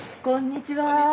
こんにちは。